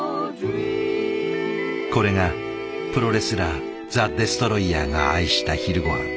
これがプロレスラーザ・デストロイヤーが愛した昼ごはん。